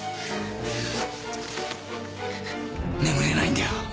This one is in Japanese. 眠れないんだよ